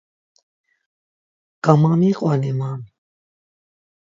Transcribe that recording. Gamamiqoni man!